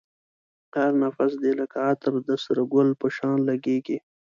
هر نفس دی لکه عطر د سره گل په شان لگېږی